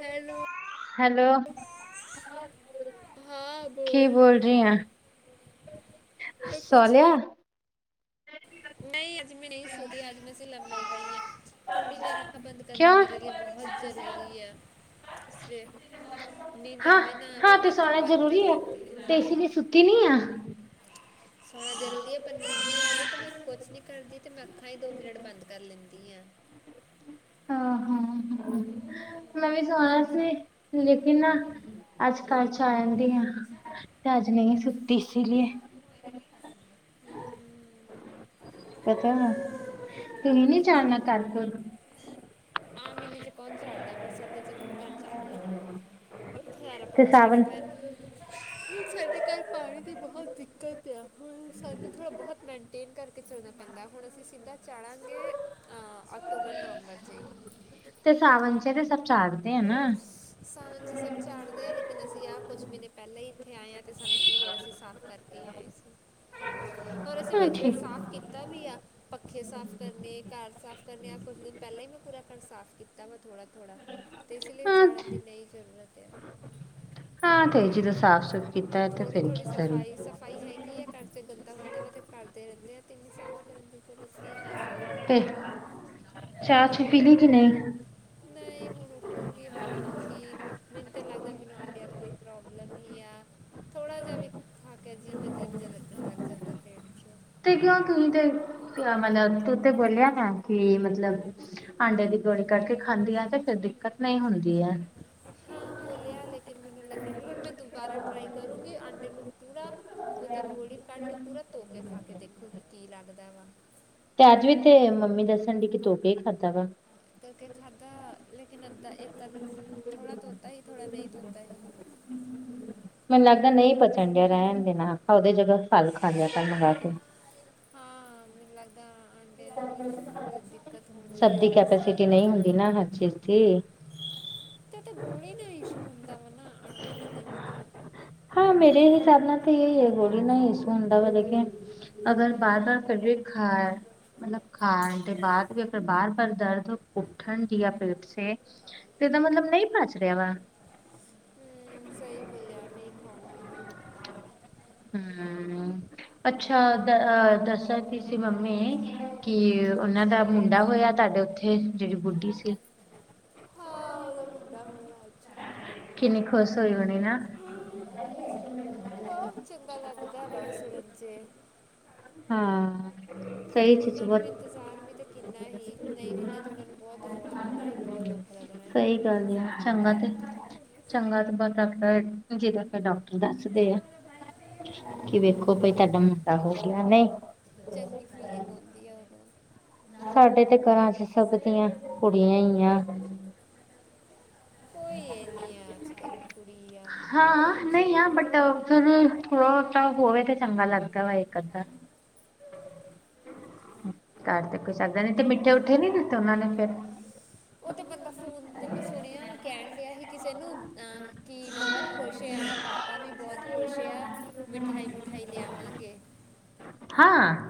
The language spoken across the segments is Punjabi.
ਹੈਲੋ ਹੈਲੋ ਹਾਂ ਕੀ ਬੋਲ ਰਹੀ ਆ ਸੁੰਲੀਆ [unintelligible] ਬਹੁਤ ਜ਼ਰੂਰੀ ਕਿਉਂ ਹੈ ਇਸ ਲਈ ਨੀਂਦ ਹਾਂ ਆਵੇ ਨਾ ਆਵੇ ਹਾਂ ਤੇ ਮੈਂ ਅੱਖਾਂ ਸੋਣਾ ਬੰਦ ਕਰ ਜ਼ਰੂਰੀ ਹੈ ਲੈਂਦੀ ਹਾ ਤੇ [inaudible] ਸਣਾ ਜ਼ਰੂਰੀ ਹੈ ਪਰ ਨ ਨਹੀਂ ਆਉਂਦੀ ਤਾਂ ਮੈਂ ਕੁਛ ਨਹੀਂ ਕਰਦੀ ਅਤੇ ਮੈਂ ਅੱਖਾਂ ਹੀ ਦੋ ਮਿੰਟ ਬੰਦ ਕਰ ਲੈਂਦੀ ਹਾਂ ਹਾਂ ਹਾਂ ਹਾਂ ਮੈਂ ਵੀ ਸੁਣਾਇਆ ਸੀ ਲੇਕਿਨ ਅੱਜ ਕੱਲ ਚ ਆ ਜਾਂਦੀ ਆ ਤੇ ਅੱਜ ਨਹੀਂ ਸੁਤੀ ਇਸ ਲਈ ਪਤਾ ਹੈ ਤੁਹੀ ਨਹੀਂ ਜਾਨਾ ਕਲ ਆਹ ਮਹੀਨੇ ਚ ਕੌਣ ਹਾਰਦਾ ਬਰਸਾਤ ਚ ਕੌਣ ਕਣ ਚਾਰਦਾ ਵਾ ਬਹੁਤ ਖਾਰਾ ਤੇ ਪਾ ਸਾਡੇ ਸਾਵਨ ਘਰ ਹੁਣ ਸਾਡੇ ਘਰ ਪਾਣੀ ਦੀ ਬਹੁਤ ਦਿੱਕਤ ਆ ਹੁਣ ਸਾਨੂੰ ਥੋੜ੍ਹਾ ਬਹੁਤ ਮੇਨਟੇਨ ਕਰਕੇ ਚੱਲਣਾ ਪੈਂਦਾ ਹੁਣ ਅਸੀਂ ਸਿੱਧਾ ਚਾੜਾਂਗੇ ਹਾਂ ਅਕਟੂਬਰ ਨਵੰਬਰ ਚ ਤੇ ਸਾਵਣ ਚ ਤੇ ਸਭ ਚਾਗਦੇ ਆ ਨਾ ਸਾਵਣ ਚ ਸਭ ਚਾੜਦੇ ਆ ਲੇਕਿਨ ਅਸੀਂ ਆ ਕੁੱਛ ਮਹੀਨੇ ਪਹਿਲਾਂ ਹੀ ਇੱਥੇ ਆਏ ਹਾਂ ਤੇ ਸਾਨੂੰੜ ਅਸੀਂ ਸਾਫ਼ ਕਰਕੇ ਹੀ ਆਏ ਸੀ ਹੋਰ ਅਸੀਂ ਹਾਂ ਵਿੱਚ ਠੀਕ ਵਿੱਚ ਸਾਫ਼ ਕੀਤਾ ਵੀ ਆ ਪੱਖੇ ਸਾਫ ਕਰਨੇ ਘਰ ਸਾਫ ਕਰਨੇ ਆ ਕੁਛ ਦਿਨ ਪਹਿਲੇ ਮੈਂ ਪੂਰਾ ਘਰ ਸਾਫ਼ ਕੀਤਾ ਵਾ ਥੜਾ ਥੋੜਾ ਅਤੇ ਇਸ ਲਈ ਹਾਂ ਚਾੜਨ ਦੀ ਨਈ ਜ਼ਰੂਰਤ ਹੈ ਹਾਂ ਈ ਜ ਤ ਸਾਫ਼ ਸੁਥ ਥੋੜੀ ਥੋੜੀ ਸਫ਼ਾਈ ਸਫ਼ਾਈ ਹੈਗੀ ਆ ਘਰ ਚ ਗੰਦਾ-ਗੁੰਦਾ ਵਾ ਤੇ ਕਰਦੇ ਰਹਿੰਦੇ ਆ [unintelligible] ਤੇ ਚਾਹ-ਚੂ ਛੁਪੀ ਲੀ ਕਿ ਨਹੀਂ ਨਹੀਂ ਹੁਣ ਊਠੁਂਗੀ ਬਣਾਉਂਗੀ। ਮੈਨੂੰ ਤਾਂ ਲੱਗਦਾ ਮੈਨੂੰ ਆਂਟੀਆਂ ਤੋਂ ਕੋਈ ਪ੍ਰੋਬਲਮ ਹੀ ਆ। ਥੋੜ੍ਹਾ ਜਿਹਾ ਵੀ ਖਾ ਕੇ ਅਜੀਭ-ਅਜੀਬ ਜਿਹਾ ਲੱਗਣ ਲੱਗ ਜਾਂਦਾ ਫੇਰ ਤੇ ਕਿਉਂ ਤੂੰ ਤੇ ਮਤਲਬ ਤੂੰ ਤੇ ਬੋਲਿਆ ਨਾ ਕਿ ਮਤਲਬ ਆਂਡੇ ਦੀ ਗੋਲੀ ਕਰਕੇ ਖਾਂਦੀ ਆ ਤੇ ਫੇਰ ਦਿੱਕਤ ਨਹੀਂ ਹੁੰਦੀ ਹੈ ਹਾਂ ਬੋਲਿਆ ਲੇਕਿਨ ਮੈਨੂੰ ਲੱਗਣ ਡ ਹੁਣ ਮੈਂ ਦੁਬਾਰਾ ਟ੍ਰਰਾਈ ਕਰੂੰਗੀ ਆਂਡੇ ਨੂੰ ਪੂਰਾ ਉਹਦੀ ਗੋਲੀ ਕੱਢ ਕੇ ਪੂਰਾ ਤੋ ਕੇ ਖਾ ਕੇ ਦੇਖੋ ਜੀ ਕੀ ਲੱਗਦਾ ਵਾ ਤੇ ਅੱਜ ਵੀ ਤੇ ਮੰਮੀ ਦੱਸਣ ਡ ਕਿ ਤੂੰ ਕੇ ਖਾਧਾ ਵਾ ਕਰਕੇ ਖਾਧਾ ਲੇਿਨ ਅੱਧਾ ਇੱਕ ਅ ਥੋੜਾ ਧੋਤਾ ਹੀ ਥੋੜਾ ਨਹੀਂ ਧੋਤਾ ਹੀ ਮੈਨੂੰ ਲੱਗਦਾ ਨਹੀਂ ਪਚਣ ਡਿਆ ਰਹਿਣ ਦੇ ਨਾ ਆਖਾ ਉਹਦੇ ਜਗ੍ਹਾ ਫਲ ਖਾ ਤਾਂ ਮੰਗਾ ਕੇ ਹਾਂ ਮੈਨੂੰ ਲੱਗਦਾ ਆਂਟੀ ਨੂੰਛ ਦਿੱਕਤ ਹੁੰਦੀ ਆਂਟੀ ਸਹੀ ਹ ਚਥ ਤਾਂ ਗੋਲੀ ਨਾਲ ਇਸ਼ੂ ਹੁੰਦਾ ਵਾ ਨਾ ਆਂਡੇ ਦਾ ਨਹੀਂ ਨਾ ਹਾਂ ਮੇਰੇ ਹਿਸਾਬ ਨਾਲ ਤਾਂ ਇਹੀ ਹੈ ਗੋਲੀ ਨਾ ਸੁੂ ਹੁੰਦਾਾ ਵ ਲ ਕੇ ਅਗਰ ਬਾਰ-ਬਾਰ ਫਿਰ ਵੀ ਖਾ- ਮਤਲਬ ਖਾਣ ਦੇ ਬਾਦ ਵੀ ਅਗਰ ਬਾਰ-ਬਾਰ ਦਰਦ ਉੱਠਣ ਦੀਆ ਪੇਟ ਚ ਤੇਦਾ ਮਤਲਬ ਨਹੀਂ ਭਜ ਰਿਹਾ ਵਾ ਹੂੰ ਸਹੀ ਬੋਲਿਆ ਨਹੀਂ ਖਾਉਂਗੀ ਹੁਣ। ਹੂੰ ਅੱਛਾ ਦ ਦੱਸਾਂਦੀ ਕੀ ਸੀ ਮੰਮੀ ਕੀ ਉਹਨਾਂ ਦਾ ਮੁੰਡਾ ਹੋਇਆ ਤੁਹਾਡੇ ਉੱਥੇ। ਇਹ ਜਿਹੜੀ ਬੁੱਢੀ ਸੀ। ਹਾਂ ਉਹਦਾ ਮੁੰਡਾ ਹੋਇਆ ਅੱਜ ਕਿਨੀ ਖੋਸ ਹੋਈ ਹੋਣੀ ਨਾ ਹੂੰ ਚੰਗਾ ਲੱਗਦਾ ਵਾ ਸੁਣਨ ਚੇ ਹਾਂ। ਸਹੀ ਚੀਜ਼ ਉਹਨਾਂ ਨੂੰ ਬਹੁਤ ਇੰਤਜ਼ਾਰ ਵੀ ਤਾਂ ਕਿੰਨਾ ਹੀ। ਨਹੀਂ ਹੁੰਦਾ ਤੇ ਉਹਨਾਂ ਨੂੰ ਬਹੁਤ ਰੌਣਾ ਆਉਣਾ ਹੈ ਬਹੁਤ ਦੁੱਖ ਲੱਗਣਾ। ਸਹੀ ਗੱਲ ਆ ਚੰਗਾ ਤੇ ਚੰਗਾ ਬ ਡਾਕਟਰ ਕਿ ਕਹਿੰਦਾ ਡਾ ਦੱਸਦੇ ਆ ਹਮ, ਕਿ ਵੇਖੋ ਭਾਈ ਤੁਹਾਡਾ ਮੁੰਡਾ ਹੋ ਨਹੀਂ ਠੀਕ ਹੋ‌ਣਾ- [unintelligible] ਸਾਡੇ ਤੇ ਘਰਾਂ ਚ ਸਭ ਦੀਆਂ ਕੁੜੀਆਂ ਈ ਆ। ਕੋਈ ਇਹ ਨਹੀਂ ਆ ਅੱਜ ਕੱਲ ਕੁੜੀ ਆ ਮੁੰਡਾ ਆ, ਹਾਂ ਜੋ ਨਹੀਂ ਆ ਬਟ ਠੀਕ ਫਿਰ ਵੀ ਹੈ ਹੋ ਤਾਂ ਹੋਏ ਤਾਂ ਚੰਗਾ ਲੱਗਦਾ ਵਾ ਇੱਕ-ਅੱਧਾ ਕਰ ਤੇ ਕੋਈ ਸਕਦਾ ਨੀ ਤੇ ਮਿੱਠੇ ਉਥੇ ਨੀ ਦਿੱਤੇ ਉਹਨਾ ਨੇ ਫੇਰ ਊਹ ਤੇ ਬੰਦਾ ਫੋਨ ਤੇ ਮੈਂ ਸੁਣਿਆ ਕਹਿਣ ਡਿਆ ਸੀ ਕਿਸੇ ਨੂੰ ਅਹ ਕਿ ਬਹੁਤ ਖੁਸ਼ ਆ ਪਾਪਾ ਆਪਾਂ ਵੀ ਬਹੁਤ ਖੁਸ਼ ਆ ਮਿਠਾਈ-ਮਿਠਾਈ ਲਿਆਵਾਂਗੇ। ਹਾਂ।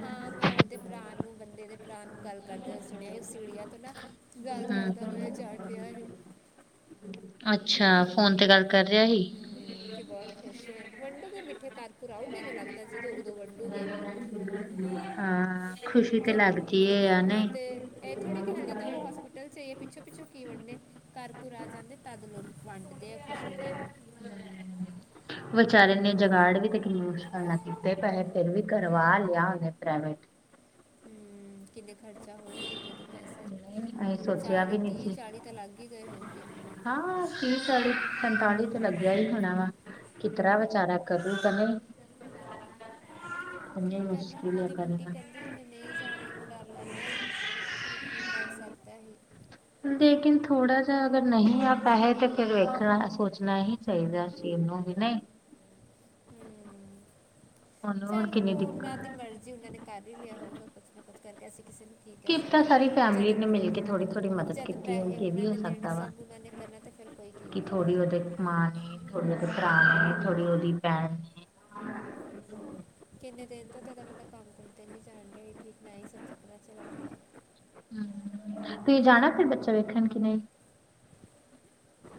ਹਾਂ ਮੈਂ ਉਹਦੇ ਭਰਾ ਨੂੰ ਬੰਦੇ ਦੇ ਭਰਾ ਨੂੰ ਗੱਲ ਕਰਦੇ ਹੋਏ ਸੁਣਿਆ ਸੀ ਉਹ ਸਿੜੀਆਂ ਤੋਂ ਨਾ ਗੱਲ ਕਰਦਾ ਹਮ ਹੋਇਆ ਚੱੜ ਪਿਆ ਹੀ। ਅੱਛਾ ਫੋਨ ਤੇ ਗੱਲ ਕਰ ਰਿਹਾ ਹੀ। ਹਮ ਕਿ ਬਹੁਤ ਖੁਸ਼ ਆ ਵੰਡੋਗੇ ਮਿੱਠੇ ਘਰ-ਘੁਰ ਆਓਗੇ ਲੱਗਦਾ ਸੀ। ਹਾਂ ਖੁਸ਼ੀ ਤੇ ਜੋ ਲੱਗਦੀ‌ ਏ ਯਾਂ ਹਾਂ ਨਹੀਂ ਤੇ ਇਹ ਥੋੜੀ ਹਲੇ ਤੇ ਉਹ ਹੋਸਪਿਟੱਲ ਚ ਏ ਹੈ ਪਿੱਛੋਂ-ਪਿੱਛੋਂ ਕੀ ਵੰਡਦੇ ਘਰ-ਘੁਰ ਆ ਜਾਂਦੇ ਤਦ ਲੋਕ ਵੰਡਦੇ ਆ ਖੁਸ਼ੀ ਨਾਲ ਵਿਚਾਰੇ ਨੇ ਜਗਾੜ ਵੀ ਤੇ ਕਿੰਨੀ ਮੁਸ਼ਕਲ ਨਾ ਕੀਤਾ ਪੈਹੇ ਫਿਰ ਵੀ ਕਰਵਾ ਲਿਆ ਉਹਨੇ ਪ੍ਰਾਈਵੇਟ ਹੂੰ ਮ ਕਿੰਨੇ ਖਰਚਾ ਹੋਏ ਹੋਗੇ ਉਹਦੇ ਪੈਸੇ ਨਹੀਂ ਅਸੀਂ ਸੋਚਿਆ ਚਾਲੀ ਵੀ ਨਹੀਂ ਤੀਹ ਸੀ ਚਾਲੀ ਤਾਂ ਲੱਗ ਹੀ ਗਏ ਹੋਣਗੇ ਹਾਂ ਤੀਹ ਚਾਲੀ ਪੰਤਾਲੀ ਤੇ ਲੱਗਿਆ ਹੀ ਹੋਣਾ ਵਾ ਕਿ ਤਰਾ ਵਿਚਾਰਾ ਕਰੂ ਪਨ ਕਿ ਕੀ ਕਰਨਾ ਹੁਣ ਮੁਸ਼ਕਿਲ ਹੈ ਉਹਦੀ ਬੁੱਢੀ ਕਰਨਾ ਕਹਿੰਦੀ ਜੇ ਮੈਂ ਨਹੀਂ ਜਾਣ ਨੂੰ ਡਰ ਲੱਗਦਾ ਫਿਰ ਕੀ ਕਰ ਸਕਦਾ? ਲੇਕਿਨ ਥੋੜਾ ਜਿਆ ਅਗਰ ਨਹੀਂ ਆ ਪੈਹੇ ਤੇ ਫਿਰ ਵੇਖਣਾ- ਸੋਚਣਾ ਹੀ। ਚਾਹੀਦਾ ਸੀਂ ਇਹਨੂੰ ਵੀ ਨਹੀਂ ਹੂੰ ਹੁਣ ਹੋਰ ਚੱਲ ਉਹ ਕਿੰਨੀ ਉਹਨਾਂ ਦਿੱਕਤ ਦੀ ਮਰਜ਼ੀ ਉਹਨਾਂ ਨੇ- ਕਰ ਹੀ ਲਿਆ ਹੋਊਗਾ ਪੱ ਪ ਕਰਕੇ ਅਸੀਂ ਕਿਸੇ ਨੇ ਕੀ ਕਹਿ ਕੀਤਾ ਸਕਦੇ? ਸਾਰੀ ਫੈਮਿਲੀ ਜਦ, ਨੇ ਮਿਲ ਕੇ ਥੋੜ੍ਹੀ ਥੋੜ੍ਹੀ ਮਦਦ ਜਦ ਕੀਤੀ ਪੈਹੇ ਹੋਊਗੀ ਇਹ ਉਹਨਾਂ ਵੀ ਹੋ ਨੇ ਦੇਣੇ ਸਕਦਾ ਵਾ ਸਭ ਉਹਨਾਂ ਨੇ ਕਰਨਾ ਤੇ ਫਿਰ ਕੋਈ ਕੀ ਕਿ ਬੋਲੇ ਥੋੜੀ ਓਹਦੇ ਮਾਂ ਨੇ ਥੋੜੇ ਓਦੇ ਭਰਾ ਨੇ ਥੋੜੀ ਓਦੀ ਭੈਣ ਕਿੰਨੇ ਦਿਨ ਤੋਂ ਤਦਾ ਮਤਲਬ ਕੰਮ ਕਰ ਤੇ ਨੀ ਜਾਣ ਡੇ ਕਹਿ ਹੀ ਸਕਦਾ ਬੰਦਾ ਚੱਲ ਆ ਹ ਤੁਸੀਂ ਜਾਣਾ ਫਿਰ ਬੱਚਾ ਵੇਖਣ ਕੇ ਨਹੀਂ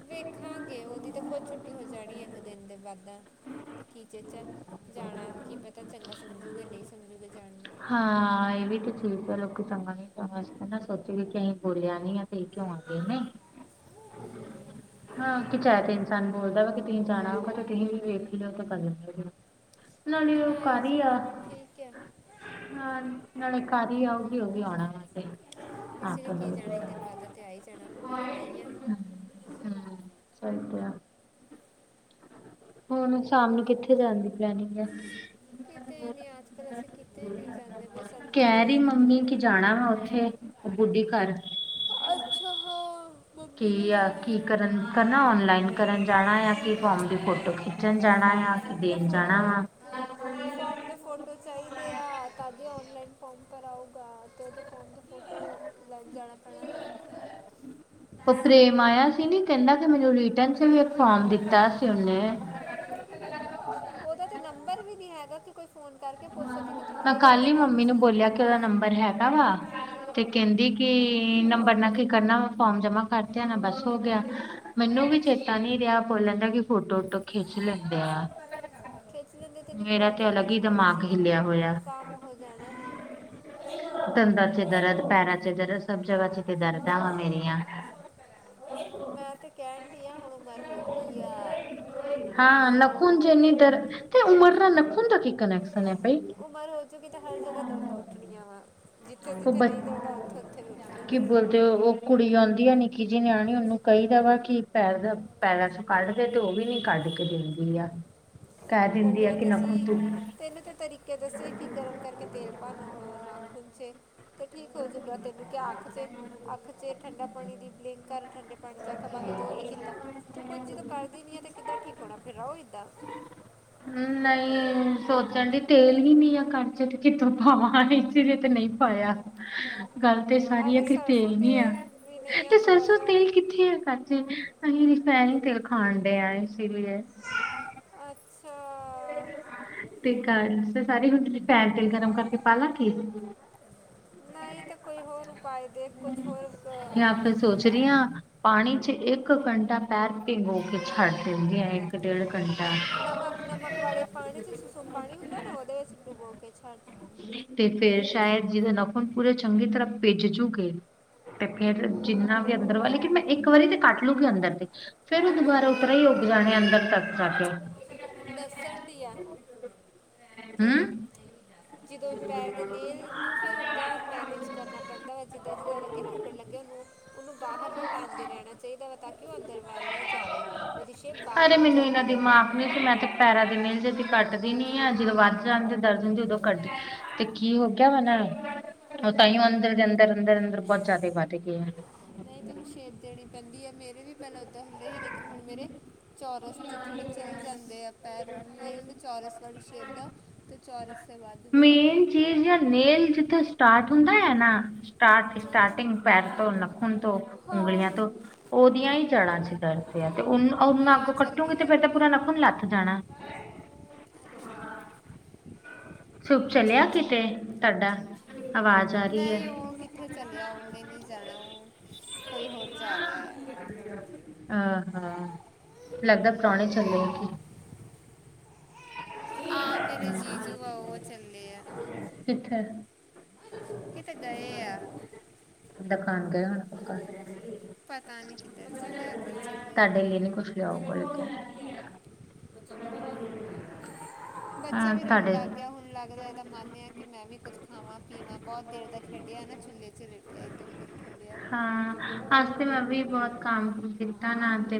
ਵੇਖਾਂਗੇ ਉਹਦੀ ਤਾਂ ਖੁਦ ਛੁੱਟੀ ਹੋ ਜਾਣੀ ਇੱਕ ਦਿਨ ਦੇ ਬਾਅਦਾਂ ਕੀਚੇ ਚ ਜਾਣਾ ਕੀ ਪਤਾ ਚੰਗਾ ਸਮਝੂਗੇ ਨਹੀਂ ਸਮਝੂਗੇ ਜਾਣਾ ਹਾਂ ਇਹ ਵੀ ਤੇ ਚੀਜ਼ ਆ ਲੋਕੀ ਚੰਗਾ ਨੀ ਚਗਾ ਨਾ ਸੋਚੇ ਵੀ ਕਿ ਅਸੀਂ ਬੋਲਿਆ ਨੀ ਆ ਕਿਉਂ ਆ ਗਏ ਹਮ। ਹਾਂ ਕਿਚਾਇ ਤੇ ਇਨਸਾਨ ਬੋਲਦਾ ਵ ਤੁਸੀਂ ਜਾਣਾ ਹੋਗਾ ਤੇ ਤੁਸੀਂ ਵੀ ਵੇਖ ਲਿਓ ਤੇ ਕਰ ਲ ਨਾਲੇ ਨਾਲ ਉਹ ਆ ਕਰ ਹੀ ਆ ਜਾਣਾ ਮੈਂ ਠੀਕ ਹੈ ਹਾਂ ਨਾਲੇ ਘੀ ਆਉਗੀ ਉਹ ਵੀ ਆਉਣਾ ਵੈਂ ਇਸ ਲਈ ਕੀ ਜਾਣਾ ਇੱਕ ਦਿਨ ਬਾਦ ਤੇ ਆ ਹੀ ਜਾਣਾ ਵੇਖਣਾ ਹੀ ਆ ਹਮ ਸਹੀਕ ਆ ਹੁਣ ਸ਼ਾਮ ਨੂੰ ਕਿੱਥੇ ਜਾਣ ਦੀ ਪਲੈਨਿੰਗ ਹੈ ਕਿਤੇ ਨਹੀਂੀ ਅੱਜ ਕੱਲ ਅਸੀਂ ਕਿਤੇ ਨਹੀਂ ਜਾਂਦੇ ਬਸ ਅੰਦਰ ਕਹਿ ਹੀ ਰਹੀ ਮੰਮੀ ਅੰਦਰ ਕਿ ਜਾਣਾ ਅੰਦਰ ਵਾ ਉੱਥੇ ਬੁੱਢੀ ਘਰ ਅੱਛਾ ਮੰਮੀ ਕੀ ਨੇ ਆ ਕੀ ਜਾਣਾ ਕਰਨ ਕਰਨਾ ਔਨਲਾਈਨ ਕਰਨ ਜਾਣਾ ਆ ਕੀ ਫੋਰਮ ਦੀ ਫੋਟੋ ਖਿੱਚਣ ਜਾਣਾ ਫਾਰਮ ਆ ਫਾਰਮ ਦੇ ਦੇਣ ਜਾਣਾ ਫੋਟੋ ਵਾ ਰੱਖੋ ਫਾਰਮ ਦੇ ਫੋਟੋ ਚਾਹੀਦੇ ਆ ਕਦੇ ਔਨਲਾਈਨ ਫੋਮ ਭਰ ਆਊਗਾ ਤੇ ਉਹਦੇ ਫੋਮ ਮ ਲਾਈਕ ਜਾਣਾ ਪੈਣਾ ਵਾ। ਉਹ ਪ੍ਰੇਮ ਆਇਆ ਸੀ ਨੀ ਕਹਿੰਦਾ ਕਿ ਮੈਨੂੰ ਰਿੀਟਰਨ ਚ ਵੀ ਇੱਕ ਫੋਾਰਮ ਦਿੱਤਾ ਸੀ ਉਹਨੇ ਉਹਦਾ ਤੇ ਨੰਬਰ ਵੀ ਨੀ ਹੈਗਾ ਕਿਉਂ ਕੋਈ ਫੋਨ ਕਰਕੇ ਪੁੱਛ ਸਕੀ ਕਿ ਤੂੰ ਮੈਂ ਕਿਹੜੇ ਕੱਲ ਵਹੜੇ ਹੀ ਘਰ ਮੰਮੀ ਚ ਨੂੰ ਬੋਲਿਆ ਕਿ ਉਹਦਾ ਮਿਲੂਗੀ ਨੰਬਰ ਹੈਗਾ ਵਾ ਕਰ ਤੇ ਕਹਿੰਦੀ ਕਿ ਨੰਬਰ ਨਾਕੇ ਕਰਨਾ ਫੋਰਮ ਜਮਾ ਕਰਦੇ ਨਾ ਸਿੱਧੂ ਬਸ ਹੋ ਗਿਆ ਚੱਪਲ ਨਾ ਹਾਂ ਮੈਨੂੰ ਹਟ ਵੀ ਚੇਤਾ ਚੀ ਨੀ ਰਿਹਾ ਬੋਲਣ ਦਾ ਕਿ ਫੋਟੋਟੋ ਖਿੱਚ ਲੈਂਦੇ ਤੇ ਇੰਨੀ ਮੇਰਾ ਤੇ ਪ੍ਰੋਬਲਮ ਹੀ ਅਲੱਗ ਨੀ ਥੋੜੀ ਸੀਿ ਦਿਮਾਗ ਮ ਹਿੱਲਿਆ ਹੋਇਆ ਕੰਮ ਹੋ ਜਾਣਾ ਹੈ ਦੰਦਾਂ ਚ ਦਰਦ ਪੈਰਾਂ ਚ ਦਰਦ ਸਭ ਜਗ੍ਹਾ ਚ ਤੇ ਦਰਦਾਾਂ ਹਾਂ ਮੇਰੀਆਂ ਮੈਂ ਤੇ ਕਹਿਣ ਡ ਆਾਂ ਹੁਣ ਉਮਰ ਹੋ ਕੀ ਆ ਮੰਨ ਹਾਂ ਨਖੁਨ ਜ ਲਓ ਇਨੀ ਦਰ ਤੇ ਉਮਰ ਦਾ ਨਖੁੰਨ ਦਾ ਕੀਕ ਉਹ ਮਰ ਹੋਜੁਗੀ ਤੇ ਹਰ ਜਗ੍ਹਾ ਦਰਦਾਂ ਉੱਠਣੀਆਂ ਵਾ ਜਿੱਥੇ ਉਹ ਜਿੱਥੇ ਬ ਨਹੀਂ ਦਰਦਾਂ ਉੱਥੇ ਵੀ ਕੀ ਉੱਠਣਗੀਆਂ ਬੋਲਦੇ ਉਹ ਕੁੜੀ ਆਉਂਦੀ ਆ ਨਿੱਕੀ ਜਿਹੀ ਨਿਆਣੀ ਉਹਨੂੰ ਕਹੀਦਾ ਵਾ ਕੀ ਪੈਰਦਾ ਪੈਲਾਂ ਚ ਕੱਢਦੇ ਤੇ ਉਹ ਵੀ ਨੀ ਕੱਢ ਕੇ ਦਿੰਦੀ ਆ ਕਹਿ ਦਿੰਦੀ ਆ ਬੋਲਿਆ ਕਿ ਤੇ ਨਖੂਨ ਸੀ ਤੂੰ ਤੈਨੂੰ ਤੇ ਤਰੀਕਾ ਕ ਦੱਸੇ ਕਿ ਗਰਮ ਕਰਕੇ ਤੇਲ ਪਾਾਨ ਨਾ ਖੁੁੰਨਚੇ ਤਾਂ ਠੀਕ ਹੋ ਜੂਗਾ ਤੈਨੂੰ ਕਿਹਾ ਆਖ ਚ ਆਖ ਚ ਠੰਡਾ ਪਾਣੀ ਦੀ ਬਲਿੰ ਘਰ ਠੰਡੇ ਪਾਣੀ ਚ ਆਖਾ ਪਾ ਕੇ ਤੂੰ ਨੀ ਕੀਤਾ ਤੂੰ ਕੁੱਝ ਜਦੋਂ ਕਰਦੀ ਨੀ ਹੈ ਤੇ ਕਿੱਦਾਂ ਕੀਕਣਾ ਫਿਰਰਾ ਉਹਦਾ ਨਹੀਂ ਸੋਚਣ ਦੀ ਤੇਲ ਹੀ ਨੀ ਆ ਕਣ ਤੇ ਕਿੱਥੋਂ ਪਾਵਾਂ ਇਸ ਲਈ ਤੇ ਨਹੀਂ ਪਾਇਆ ਗੱਲ ਤੇ ਸਾਰੀ ਆ ਅਰੇ ਕਿ ਸਰਸੋਂ ਤੇਲ ਨੀ ਆ ਵੀ ਨਹੀਂ ਆ ਤੇ ਥੋੜਾ ਸਰਸੋਂ ਜਿਹਾ ਤੇਲ ਕਿੱਥੇ ਆ ਖਜੇ ਅਸੀਂ ਫੈ ਨ ਤੇਲ ਖਾਣ ਡ ਆ ਇਸ ਲਈ ਅੱਛਾ ਤੇ ਸਾਰੇ ਹੁਣ ਤੁਸੀਂ ਪੈਨ ਤੇਲ ਗਰਮ ਕਰਕੇ ਪਾ ਲਾ ਕੀ ਨਹੀਂ ਤਾਂ ਕੋਈ ਹੋਰ ਉਪਾਅ ਦੇ ਕੁਝ ਹੋਰ ਜਾਂ ਅਹ, ਫਿਰ ਸੋਚ ਰਹੀ ਹਾਂ ਪਾਣੀ ਚ ਇੱਕ ਘੰਟਾ ਪੈਰ ਗੋ ਕੇ ਛੱਡ ਦਿੰਦੀ ਆ ਇੱਕ ਡੇਢ ਘੰਟਾ ਨਮਕ ਨਮਕ ਵਾਲੇ ਪਾਣੀ 'ਚ ਸੁਸਮ ਪਾਣੀ ਹੁੰਦਾ ਨਾ ਉਹਦੇ ਵਿੱਚ ਡੁੱਬੋ ਕੇਛਡ ਤੇ ਫੇਰ ਸ਼ਾਇਦ ਜਿਹਦਾ ਨਫਨ ਪੂਰੇ ਚੰਗੀ ਤਰ੍ਹਾਂ ਭਿੱਜਜੂਕੇ ਤੇ ਫੇਰ ਜਿੰਨਾ ਵੀ ਅੰਦਰ ਵਾ ਲੇਕ ਮੈਂ ਇੱਕ ਵਾਰੀ ਤੇ ਕੱਟ ਲੂਗੀ ਅੰਦਰ ਦੇ ਫੇਿਰ ਉਹ ਦੁਬਾਰਾ ਉਤਰੇ ਹੀ ਉੱਗ ਜਾਣੇ ਅੰਦਰ ਤੱਕ ਜਾ ਕੇ ਦੱਸਣ ਦੀਆ ਕੀ ਹੂੰ ਜਦੋਂ ਪੈਰ ਦੇ ਨੇਰ ਨੂੰ ਫੇਿਰ ਉਓਦਾਂ ਮੈਨੇਜ ਕਰਨਾ ਪੈਂਦਾ ਵਾ ਜਿੱਦਾਂ ਜਿੱਦਾਂ ਲੱਗੇ ਨਾ ਉੱਗਣ ਲੱਗੇ ਉਹਨੂੰ ਉਹਨੂੰ ਬਾਹਰ ਨਾ ਟਾਂਦੇ ਰਹਿਣਾ ਚਾਹੀਦਾ ਵਾ ਤਾਂ ਕਿ ਉਹ ਅੰਦਰ ਵਾਹ ਨਾ ਜਾਵੇ ਉਹਸ਼ੇ ਬਾਹਰ ਨੂੰ ਜਾ ਦਿਮਾਗ ਨਹੀਂੀ ਸੀ ਮੈਂ ਤੇ ਪੈਰਾਂ ਦੀ ਮੀਲ ਜਦੀ ਕੱਟਦੀ ਨੀ ਆ ਜਦੋਂ ਵੱਧ ਜਾਂ ਤੇ ਦਰਦ ਹੁੰਦੀ ਉਦੋਂ ਕੱਟਦੀ ਤੇ ਕੀ ਹੋ ਗਿਆ ਵਾ ਨਾ ਉਹ ਤਾਂਹੀਓ ਅੰਦਰ ਦੇ ਅੰਦਰ ਅੰਦਰ ਅੰਦਰ ਬਹੁਤ ਜਿਆਦਾ ਵੱਧ ਗਏ ਆ ਨਹੀਂ ਤੈਨੂੰ ਛੇਦ ਦੇਣੀ ਪੈਂਦੀ ਹੈ ਮੇਰੇ ਵੀ ਪਹਿਲਾਂ ਓਦਾਂ ਹੁੰਦੇ ਸੀ ਲੇਕਿਨ ਹੁਣ ਮੇਰੇ ਚੌਰਸ 'ਚ ਥੋੜ੍ਹੇ ਚੱਲ ਜਾਂਦੇ ਆ ਪੈਰ ਮਦੇ ਚੋੌਰਸ ਵਾਲੀ ੇਧਾਂ ਅਤੇ ਚੌਰਸੇ ਬਾਅਦ ਮੇਨ ਚੀਜ਼ ਨੇਲ ਜਿੱਥੇ ਸਟਾਰਟ ਹੁੰਦਾ ਹੈ ਨਾ ਸਟਾਰਟ ਸਟਾਰਟਿੰਗ ਪੈਰ ਤੋਂ ਲੱਖਣ ਤੋਂ ਹਾਂ ਉਂਗਲੀਆਂ ਤੋਂ ਮੰਮੀ ਉਹਦੀਆਂ ਹੀ ਚੜਾ ਚ ਡਰ ਪ ਆ ਤੇ ਉਹਨ ਉਹੂੰ ਹਾਂ ਅੱਗੋਂ ਕੱਟੋਗੇ ਚੱਲੀ ਤੇ ਆ ਫੇਰ ਤਾਂ ਪੂਰਾ ਰੁਕੋ ਨਖੁਨ ਲੱਥ ਜਾਣਾ [inaudible] [unintelligible] ਸੁੱਪ ਚਲਿਆ ਕਿਤੇ ਤੁਹਾਡਾ ਆਵਾਜ਼ ਆ ਰਹੀ ਨਹੀਂ ਹੈ। ਉਹ ਕਿੱਥੇ ਚਲਿਆ ਹੁਣ ਮੈ ਨਹੀਂ ਜਾਣਾ ਉਹ ਕੋਈ ਹੋਰ ਜਾ ਰਿਹਾ ਆ ਆਹ ਹਾਂ ਲੱਗਦਾ ਪੁਾਹਣੇ ਚੱਲੇ ਕੀ ਹਾਂ ਮੇਰੇ ਕੀ ਜੀਜੂ ਆ ਉਹ ਚੱਲੇ ਆ ਸਿੱਥਰ ਕਿਤੇ ਗਏ ਆ ਦਾਖਾਣ ਗ ਹੁਣ ਪੱਕਾ ਪਤਾ ਨੀ ਕਿਧਰ ਚੱਲਿਆ ਚੱਲ ਆ ਤੁਹਾਡੇ ਲਈ ਨੀ ਕੁਛ ਲਿਆਓ ਬੋਲ ਕੇ ਬੱਚਾ ਹਾਂ ਵੀ ਰੋਣ ਤੁਹਾਡੇ ਲੱਗ ਗਿਆ ਹੁਣ ਲੱਗਦਾ ਦਾ ਮੰਨ ਆ ਕਿ ਮੈਂ ਵੀ ਕੁੱਛ ਖਾਵਾਂ ਪੀਵਾਂ ਬਹੁਤ ਦੇਰ ਤੱਕ ਖੇਡਿਆ ਨਾ ਚੁੱਲ੍ਹੇ ਚ ਲੇਟਿਆ ਇੱਧਰ ਉੱਧਰ ਖੇਡਿਆ ਹਾਂ ਬੱਚੇ ਬਹੁਤ ਜੇ ਅਜ ਤੇ ਭੁੱਖ ਮੈਂ ਵੀ ਲੱਗੀ ਹੈ ਬਹੁਤ ਕਾਮ ਹਾਂ ਕੀਤਾ ਨਾ ਤੁਸੀਂ ਤੇ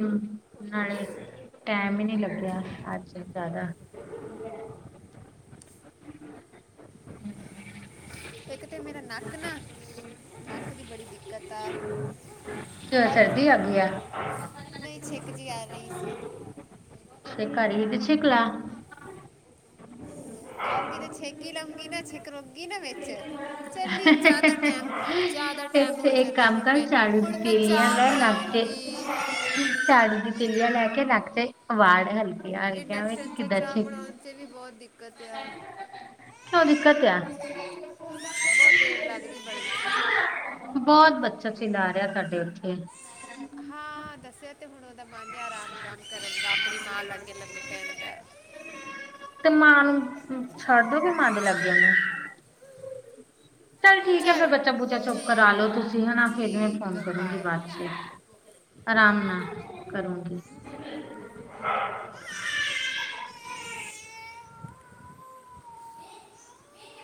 ਕੋਈ ਤਾਂ ਨਾਲੇ ਨਹੀਂ ਟਾਈਮ ਹੀ ਨਹੀਂੀ ਲੱਗਿਆ ਅੱਜ ਜ਼ਿਆਦਾ ਕੀਆ ਇੱਕ ਤਾਂ ਮੇਰਾ ਨੱਕ ਨਾ ਨੱਕ ਦੀ ਬੜੀ ਦਿੱਕਤ ਆ ਕਿਉਂ ਹਰ ਸਰਦੀ ਆ ਗਈ ਆ ਚੀਜ਼ ਛੇਕ ਜਿਹੀ ਆ ਰਹੀ ਸੀ ਸ਼ਕਾਰ ਇਹ ਸ਼ਕਲਾ ਆਓ ਕਿਤੇ ਛੇਕੀ ਲਉਗੀ ਨਾ ਛੇਕ ਰੁਗੀ ਨਾ ਵਿੱਚ ਚੱਲੀ ਹਾਂ ਜ਼ਿਆਦਾ ਟੈਮ ਜ਼ਿਆਦਾ ਟੈਮ ਇੱਥੇ ਹੋ ਇੱਕ ਚੱਲੇ ਹੁਣ ਮੈਂ ਹੁਣ ਮੈਂ ਚਾਹ ਬਣਾਉਂ ਸਾੜੀ ਦੀ ਤਲੀਆਂ ਲੈ ਕੇ ਰੱਖ ਜੇ ਵੜ ਹਲਕਾ ਇੰਡਕਸ਼ਨ ਚ ਚਾਹ ਬਣਾਉਣ ਚ ਵੀ ਬਹੁਤ ਦਿੱਕਤ ਆ ਕਿਉਂ ਦਿੱਕਤ ਆ ਬਹੁਤ ਦੇਰ ਲੱਗਦੀ ਬੜੀ ਬਹੁਤ ਬੱਚਾ ਚਲਾ ਰਿਹਾ ਤੁਹਾਡੇ ਉੱਥੇ ਹਾਂ ਦੱਸਿਆ [unintelligible] ਤੇ ਮਾਂ ਨੂੰ ਛੱਡ ਦੋ ਕੇ ਮਾਂ ਦੇ ਲੱਗੇਨ [inaudible] ਚੱਲ ਠੀਕ ਹੈ ਫੇਿਰ ਬੱਚਾ ਬੁੱਚਾ ਚੁੱਪ ਕਰ ਠੀਕ ਆ ਲੋੋ ਤੁਸੀਂ ਹਨਾ ਫਿਰ ਮੈਂ ਠੀਕ ਫੋਨ ਕਰੋਗੀ ਬਾਏ ਬਾਅਦ ਚ ਆਰਾਮ ਨਾਲ ਕਰੋਂਗੀ